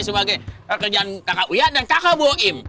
sebagai kerjaan kakak uya dan kakak bu im